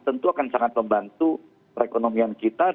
tentu akan sangat membantu perekonomian kita